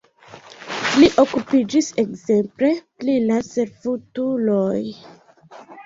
Li okupiĝis ekzemple pri la servutuloj.